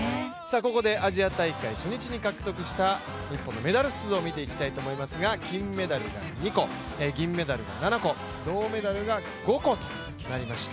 ここでアジア大会初日に獲得した日本のメダル数を見ていきたいと思いますが、金メダルが２個、銀メダルが７個、銅メダルが５個となりました。